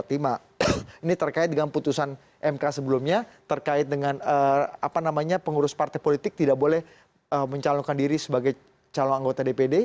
ini terkait dengan putusan mk sebelumnya terkait dengan pengurus partai politik tidak boleh mencalonkan diri sebagai calon anggota dpd